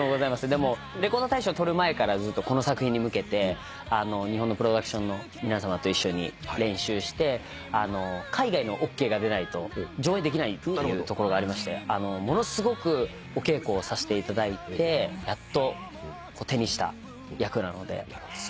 でもレコード大賞取る前からずっとこの作品に向けて日本のプロダクションの皆さまと一緒に練習して海外のＯＫが出ないと上演できないっていうところがありましてものすごくお稽古をさしていただいてやっと手にした役なのですごく念願だなと思っております。